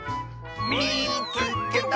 「みいつけた！」。